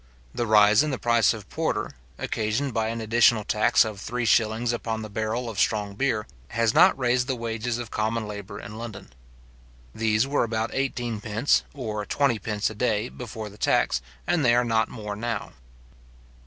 The rise in the price of porter, occasioned by an additional tax of three shillings upon the barrel of strong beer, has not raised the wages of common labour in London. These were about eighteen pence or twenty pence a day before the tax, and they are not more now.